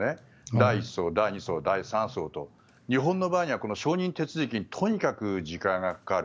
第１相から第２相、第３相と日本の場合には、承認手続きにとにかく時間がかかる。